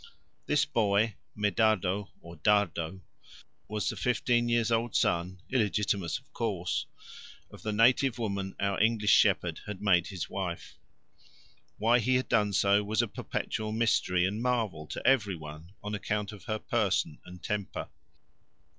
This boy, Medardo, or Dardo, was the fifteen years old son illegitimate of course of the native woman our English shepherd had made his wife. Why he had done so was a perpetual mystery and marvel to every one on account of her person and temper.